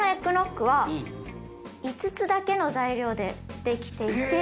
５つだけの材料でできていて。